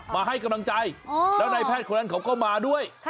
มาให้กำลังใจแล้วนายแพทย์คนนั้นเขาก็มาด้วย